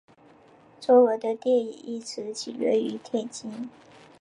中文的电影一词起源于天津。